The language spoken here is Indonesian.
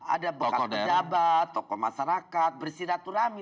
ada bokas pejabat tokoh masyarakat bersiratu rame